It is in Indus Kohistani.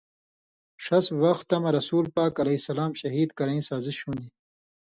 ݜس وختہ مہ رسولِ پاک علیہ سلام شہید کرئیں سازِش ہُون٘دیۡ